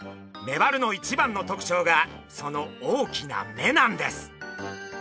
メバルの一番の特徴がその大きな目なんです。